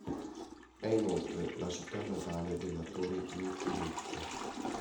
È inoltre la città natale dell’attore Mickey Rourke.